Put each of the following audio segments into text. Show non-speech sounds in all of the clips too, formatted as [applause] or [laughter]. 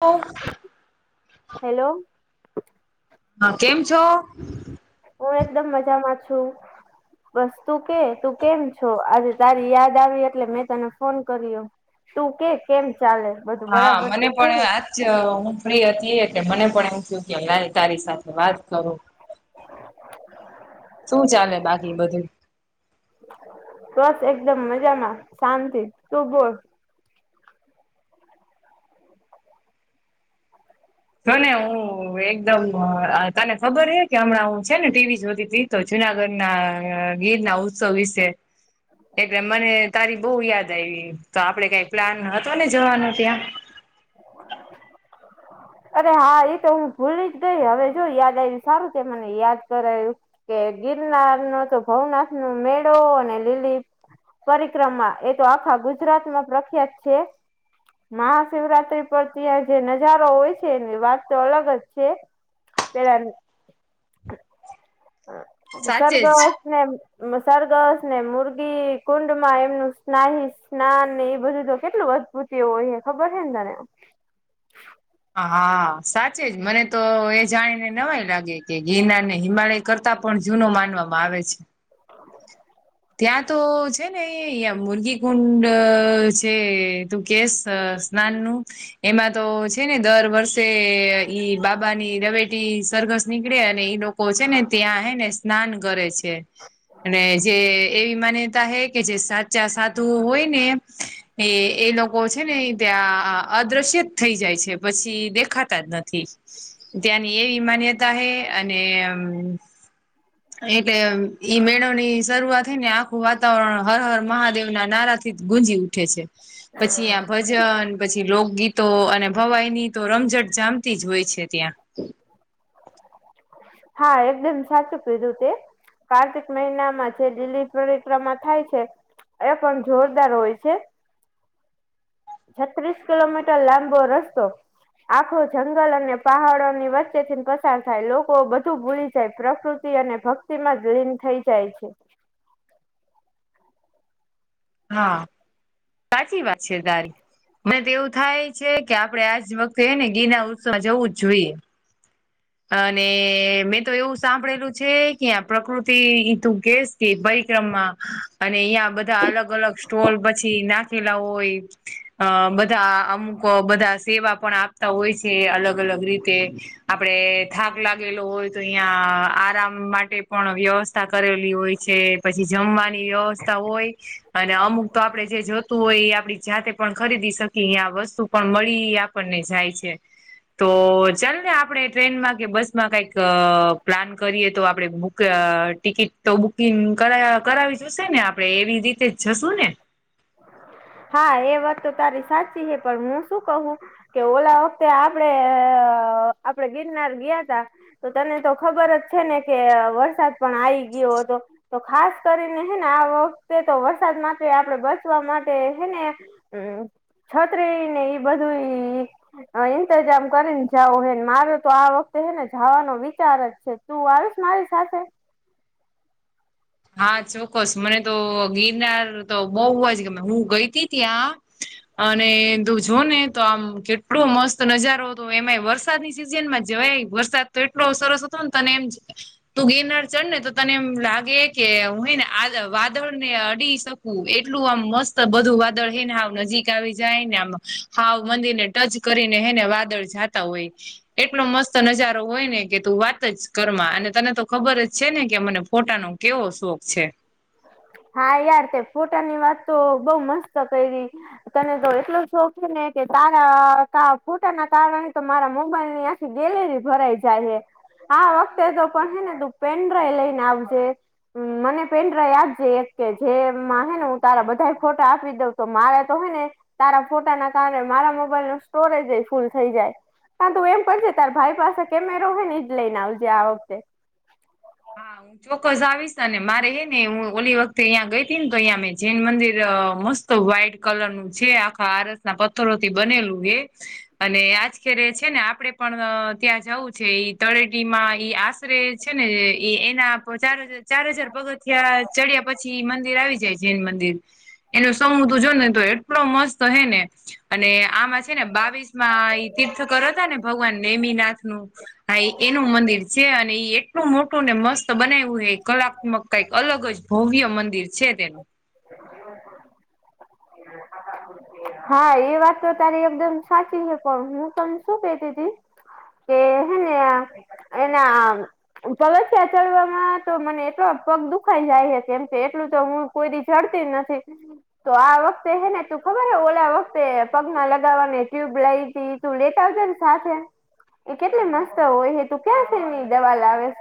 Of hello હા કેમ છો? હું એકદમ મજામાં છું. બસ તું કે તું કેમ છો? આજે તારી યાદ આવી એટલે મેં તને ફોન કર્યો. તું કે કેમ ચાલે? બધું હા બરાબર મને તો છે પણ ને આજ જ હું ફ્રી હતી એટલે મને પણ એમ થયું કે લાયે તારી સાથે વાત કરું. શું ચાલે બાકી બધું? બસ એકદમ મજામાં શાંતિ તું બોલ. તને હું એકદમ તને ખબર હે કે હમણાં હું છે ને ટીવી જોતીતી તો જુનાગઢના ગીરના ઉત્સવ વિશે એટલે મને તારી બહુ યાદ આયવી તો આપડે કાઈ પ્લાન હતો ને જવાનું ત્યાં હ અરે હા એ તો હું ભૂલી જ ગઈ હવે જો યાદ આવ્યું સારું છે મને યાદ કરાયું કે ગિરનારનો તો ભવનાથનો મેળો અને લીલી પરિક્રમા, એ તો આખા ગુજરાતમાં પ્રખ્યાત છે. મહાશિવરાત્રી પર ત્યાં જે નજારો હોય છ છે, એની વાત તો અલગ જ છે પેલા સાચે જ. સરગસ ને એમાં સરગસ ને મુરગી કુંડમાં એમનું સ્નાય સ્નાન ને એ બધું તો કેટલું બ ઉંચી હોય હે, ખબર હે ને તને? હા, હા, સાચે જ મને તો એ જાણીને નવાય લાગે કે ગિરનાર ને હિમાલય કરતા પણ જૂનો માનવામાં આવે છે. ત્યાં તો જ છે ને એ મુર્ગી કુંડ છે તું કેસ સ્નાન નું. એમાં તો છે ને દર વર્ષે ઈ બાબાની રવેટી સરગસ નીકળે અને ઈ લોક લોકો છે ને ત્યાં હેને સ્નાન કરે છે અને જે એમ માન્યતા હે કે જે સાચા સાધુ હોય ને એ એ લોકો છે ને ઈ ત્યાં અદૃશ્ય થઈ જાય છે. પછી દેખાતા જ નથી. ત્યાંની એવી માન્યતા હે અને એટલે ઈ મેળોની શરૂઆત થઈને આખું વાતાવરણ હર હર મહાદેવના નારાથી ગુંજ્યું ઉઠે છે પછી આ ભજન પછી લોકગીત તો અને ભવાઈની તો રમઝટ જામતી જ હોય છે ત્યાં. હા એકદમ સાચું કીધું તે. કાર્તિક મહિનામાં જે લીલી પરિક્રમા થાય છે એ પણ જોરદાર હોય છે. છત્રીસ કિલોમીટર લાંબો રસ્તો. આખું જંગલ અને પહાડોની વચ્ચેથી પસાર થાય લોકો બધું ભૂલી જાય પ્રકૃ તી અને ભક્તિમાં જ લીન થઈ જાય છે. હા, સાચી વાત છે તારી. મને તો એવું થાય છે કે આપડે આજ વખતે હે ને ગીરનાર ઉત્સવમાં જવું જ જોઈએ. અને મેં તો એવું સાંભળેલું છે કે ત્યાં પ્રકૃતિ ઈ તું કેસ તે પરિક્રમાં અને અહીંયા બધા અલગ અલગ સ્ટોલ પછી નાખેલા હોય. અ બધા અમુક બધા સેવા પણ આપતા હોય છે અલગ અલગ રીતે. આપડે થાક લાગેલો હોય તો અહીયાં આરામ માટે પણ વ્યવસ્થા કરેલી હોય છે. પછી જમવાની વ્યવસ્થા હોય. અને અમુક તો આપણે જે જોતું હોય એ આપડી જાતે પણ ખરીદી શકીએ આ વસ્તુ પણ મળી આ પડને જાય છે. તો ચાલ ને આપણે ટ્રેનમાં કે બસ માં કઈક પ્લાન કરીએ તો આપડે બુ ક ટિકિટ તો બુકિંગ કર કરાવી જોશે ને આપડણે એવી રીતે જશું ને? હા એ વાત તો તારી સાચી હે પણ હું શું કઉ હું કે ઓલા વખતે આપડે અ આપડે ગિરનાર ગ્યા તા તો તને તો ખબર જ છે ને કે વરસાદ પણ આઈ ગ્યો હતો. તો ખાસ કરીને હે ને આ વખતે તો વરસાદ માટે આપડે બ ચવા માટે હે ને છતરી ને ઈ બધુંઈ હ ઇંતજામ કરીને જાવો હે ને મારો તો આ વખતે હેને જવાનો વિચાર જ છે. તું આવીશ મારી સાથે? હા ચોક્કસ. મને તો ગિરનાર તો બઉ અજ ગમેં. હું ગઈ હતી ત્યાં અને તું જો ને તો આમ કેટલો મસ્ત નજારો હતો એમાં વરસાદની સિઝન માં જવાય વર સાદ તો એટલો સરસ હતો તને એમ તું ગેરનાર ચડ ને તો તને એમ લાગે કે હું હે ને આદ વાદળ ને અડી શકું એટલું આમ મસ્ત બધું વાદળ હ ને હાવ નજીક આવી જાય ને આમ હાવ મંદિરને ટચ કરીને હેને વાદળ જાતા હોય. એટલો મસ્ત નજારો હોય ને કે તું વાત જ કર માં અને તને તો ખબર જ છે ને કે મને ફોટા નો કેવો શોખ છે? હા યાર તે ફોટા ની વાત તો બઉ મસ્ત કઈરી. તને તો એટલું શોખી ને કે તારા તા ફોટા ના કારણે તો મારા મોબાઈલ ની આખી ગેલેરી ભરાઈ જાય હે. આ વખતે તો પણ હે ને તું પેન ડ્રાઈવ લઈને આવજે. હમ્મ મને પેન ડ્રાઈ જ એક કે જેમાં હે ને હું તારા બધાય ફોટા આપી દઉં તો મારે તો હે ને તારા ફોટા ના કારણે મારા મોબાઈલ નો સ્ટોરેજ ફૂલ થઈ જાય. કા તું એમ કરજે તાર ભાઈ પાસે કેમેરો હો ને જ લઈને આવજે આ વખતે. હા ચોક્કસ આવીશ અને મારે હ ને હું ઓલી વખતે અહં ગઈ હતી ને તો અહીંયા મેં જૈન મંદિર મસ્ત તો વ્હાઈટ કલર નું છે આખા આરસ ના પથ્થરો થી બનેલું હે. અને આજ કેરે છે ને આપડે પણ ત્યાં જવું છે ઈ તળેટી માં ઈ આશરે છે ને એ એના ચાર હજાર ચાર હજાર પગથીિયા ચડ્યા પછી મંદિર આવી જાય જૈન મંદિર. એનું સમૂ તો જોને તો એટલો મસ્ત હે ને. અને આમાં છે ને બાવીસમાં ઈ તીર્થ કરો હતા ને ભગવાન નેમીનાથનું હા એ એનું મંદિર છે અને એ એટલું મોટું ને મસ્ત બનાઈવુ હે કલાત્મક કઈક અલગ જ ભવ્ય મંદિર છે તેનું. હા એ વાત તો તારી એકદમ સાચી હે પણ હું તને શું કેતી તી કે હે ને આ એના તસ્યા ચડવામાં તો મને એટલો પગ દુખાઈ જાય કેમ કે એટલું તો હું કોઈ દી ચડતી જ નથી તો આ વખતે હેને તું ખબર હો ઓ લા વખતે પગમાં લગાવવાને ટ્યુબ લઈ હતી તું લેતા આવજે ને સાથે. એ કેટલી મસ્ત હોય એ, તું ક્યાં છેની દવા લાવે છ?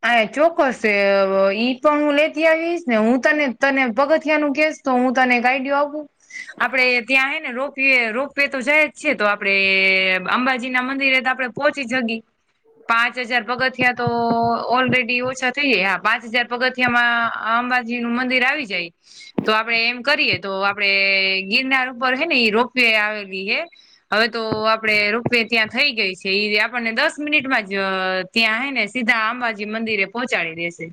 હ એ ચોક્કસ ઈ પણ હું લેતી આવીશ ને હું તને તને પગથિયા નું કેસ તો હું તને એક આઈડું આપુ? આપડે ત્યાં હે ને રોપવે રોપ વે તો જાય જ છે એ તો આપડે અંબાજી ના મંદિરે તો આપડે પોહોચી જગી, પાંચ હજાર પગથિયા તો ઓલરેડી ઓછા થઈ જાય, હા પાંચ હજાર પગથિયામાં આંબાજીનું મંદિર આવી જાય. તો આપડે એમ કરીએ તો આપડે ગિરનાર ઉપર હે ને ઈ રોપ વે આવેલી હે. હવે તો આપણે રોપ વે ત્યાં થઈ ગઈ છે ઈ આપણને દસ મિનિટમાં જ ત્યાં હે ને સીધા આંબાજી મંદિરે પહોંચાડી દેશે.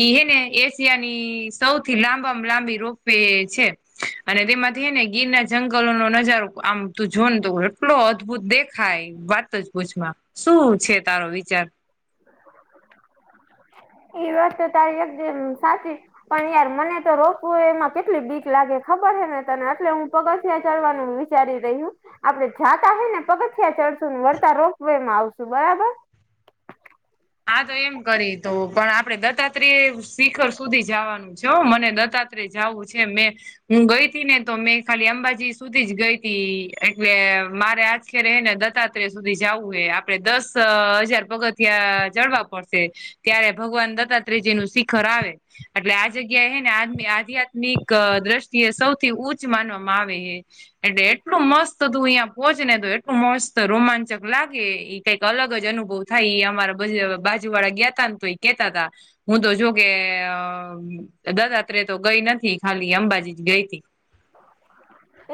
ઈ હે ને એશિયાની સૌથી લાંબામાં લાંબી રોપ વે છે. અને તેમાંથી હે ને ગિરનાર જંગલોનો નજારો આમ તું જો ને તો એટલો અદ્દભુત દેખ ખાય વાત જ પૂછ મા, શું છે તારો વિચાર? એ વાત તો તારી એકદમ સાચી. પણ યાર મને તો રોપ વે માં કેટલી બીક લાગે ખબર હે ને તને એટલે હું પગથિયા ચાલવાનું વી વિચારી રહી હુ, આપણે જાતા હે ને પગથિયા ચડશું વળતા રોપ વેમા આવશું બરાબર હા તો એમ કરીએ તો પણ આપણે દત્તાત્ર્રીય શિખર સુધી જાવાનું જો મને દત્તાત્રેય જાવું છે મેં હું ગઈ તી ને તો મેં ખાલી અંબાજી સુધી જ ગઈ તી એટલે મારે આજ આખેરે હે ને દત્તાત્રેય સુધી જાવુ હે આપણે દસ હજાર પગથિયા ચડવા પડશે ત્યારે ભગવાન દત્તાત્રેજીનું શિખર આવે. એટલે આ જગ્યા હે ને આદમી આધ્યાત્ મિક દ્રષ્ટિએ સૌથી ઉચ્ચ માનવામાં આવે હે. એટલે એટલું મસ્ત તું અહીંયા પહોંચ ને તો એટલું મસ્ત રોમાંચક લાગે ઈ કઈક અલગ જ અનુભવ થાય ઈ અમારા. પછી હવે બાજુવાળા ગ્યા તા ને તો ઈ કેતા તા, હું તો જો કે દત્તાત્રેય તો ગઈ નથી, ખાલી અંબાજી જ ગઈ તી.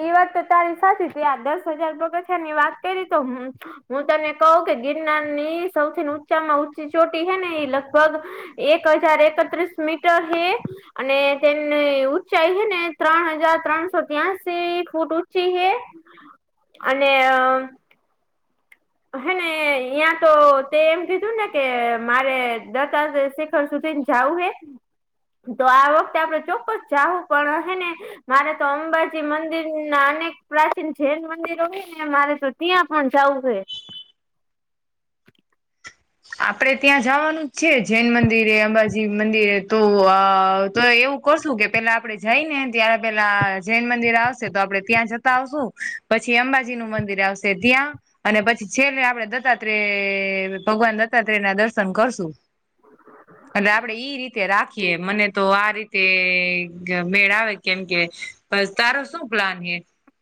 એ વાત તો તારી સાચી તે આ દસ હજાર પગથિયાની વાત કરી તો હું હું તને કહું કે ગિરનારની સૌથી ને ઊંચામાં ઊંચી ચોટી હે ને એ લગભગ એક હજાર એકત્રીસ મીટર હે અને તેની ઊંચાઈ હે ને ત્રણ હજાર ત્રણસો ત્યાસી ફૂટ ઊંચી હે અને અહ હે ને અ્યા તો તે એમ કીધું ને કે મારે દત્તાત્રેય શિખર સુધી જાઉં હે, તો આ વખતે આપણે ચોક્કસ જાવું પણ હે ને મારે તો અંબાજી મંદિરના અનેક પ્રાચીન જૈન મંદિરો હે ને મારે તો ત્યાં પણ જાઉ હે આપણે ત્યાં જાવાનું જ છે જૈન મંદિરે, અંબાજી મંદિરે, તો આ, તો એવું કરશું કે પેલા આપણે જઈ ને ત્યારે પેલા જૈન મંદિર આવશે તો આપણે ત્યાં જતા આવશું પછી અંબાજીનું મંદિર આવશે ત્યાં અને પછી છેલ્લે આપડે દત્તાત્રેય ભગવાન દ દત્તાત્રેયના દર્શન કરશું, એટલે આપડે ઈ રીતે રાખી ખીએ, મને તો આ રીતે ગ મેળ આવે કેમ કે બસ, તારો શું પ્લાન હે?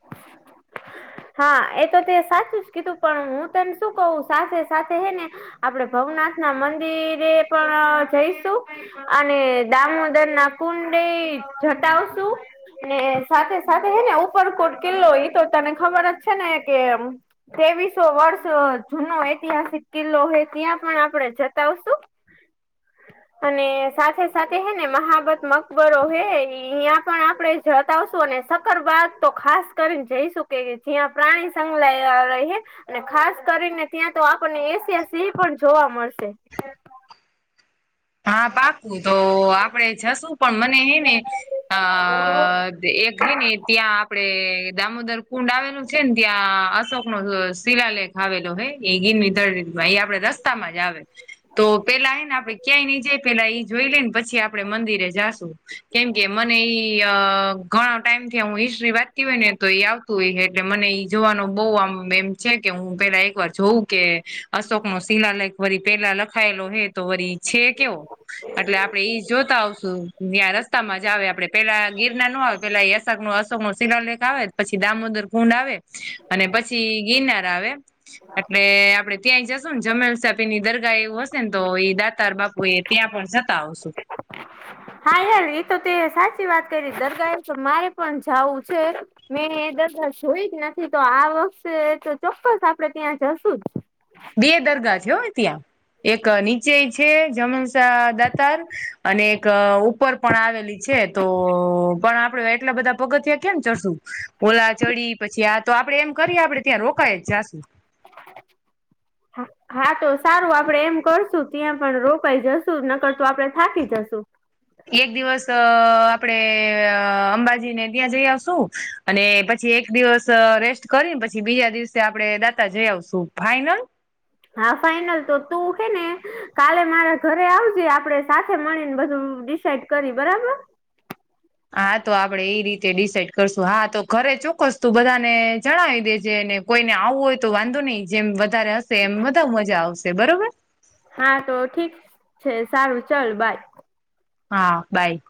[inaudible] હા એ તો તે સાચું જ કીધું પણ હું તને શું કઉ સાથે સાથે હે ને આપણે ભવનાથના મંદિરે પણ જઈશું અને દામોદરના કુંડે જતા આવશું ને સાથે સાથે હે ને ઉપરકોટ કિલ્લો ઈ તો તને ખબર જ છે ને કે ત્રેવીસો વર્ષ જૂનો ઐતિહાસિક કિલ્લો હે ત્યાં પણ આપણે જતા આવશું. [unintelligible] અને સાથે સાથે હે ને મહાબત મકબરો હે અહિયાં પણ આપડે જતાવશું અને સકર બાદ તો ખાસ કરીને જઈશું. કે જ્યાં પ્રાણી સંંગલાહ રહી હે. અને ખાસ કરીને ત્યાં તો આપણને એશિયા સિંહ પણ જોવા મળશે. હા પાપું તો આપડે જશું પણ મને હે ને અ એક હે ને ત્યાં આપડે દામોદર કુંડ આવેલું છે ને ત્યાં અશોક નો શિલાલેખ આવેલો હોય એ ગીરળ એ આપડે દસ તા માંજ આવે તો પેલા એને આપણે ક્યાય ની જય પેલા ઈ જોઈ લે ને પછી આપડે મંદિરે જાશું કેમ કે મને ઈ અ ઘણા ટાઈમ થી હું હિસ્ટ્રી વાતી હોય ને તો એ આવ એટલે મને ઈ જોવાનું બહ આમ એમ છે કે હું પેલા એક વાર જોઉં કે અશોક નો શિલા લાયક વરી પહેલા લખાયેલો હે તો વરી છે કેવો એટલે આપડે ઈ જોતા આવશું ત્યાં રસ્તામાં જ આવે આપડે પેલા ગીરનાર નો આવે પેલા અશક નો અશોકો શિલાલેક આવેન પછી દામોદર કુંડ આવે અને પછી ગિરનાર આવે. એટલે આપડે ત્યાંય જશું ને જમેલસાપી ની દરગાહ એવું હશે ને તો એઈ દા તાર બાપુ એ ત્યાં પણ જતા આવશું. હા યાર એ તો તે સાચી વાત કરી દરગાહ તો મારે પણ જવું છે. મેં એ દદા જોઈ જ નથી તો આ વખતે તો ચોક્કસ આપડે ત્યાં જશું જ. બે દરગાહ છે હો ત્યાં. એક નીચેય છે જમનસા દાતાર અને એક ઉ ઉપર પણ આવેલી છે તો પણ આપડે એટલા બધા પગથિયા કેમ ચડશું? ઓલા ચડી પછી આ તો આપડે એમ કરીએ આપડે ત્યાં રોકાય જ જાશું. જ [inaudible] હા તો સારું આપડે એમ કરશું ત્યાં પણ રોકાઈ જશું નકતો આપડે થાકી જશુ. એક દિવસ અ આપડે અંબાજીને ત્યાં જઈ આવશું. અને પછી એક દિવસ રેસ્ટ કરીને પછી બીજા દિવસે આપણે દાતા જઈ આવશું, ફાઈનલ? હા ફાઈનલ તો તું શે ને કાલે મારા ઘરે આવજે આપડે સાથે મળીને બધું ડિસઇડ કરી, બરાબર? હા તો આપડે એ રીતે ડિસાઈડ કરશું હા તો ઘરે ચોક્કસ તું બધાને જણાવી દેજે ને કોઈને આવવું હોય તો વાંધો નહી જેમ વધારે હશે એમ બા મજા આવશે બરોબર. હા તો ઠીક છે સારું ચાલ બાય. હા બાય.